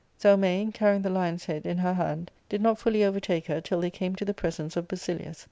Zelmane, carrying the lion's head in her hand, did not fully overtake her till they came to the presence of Basilius.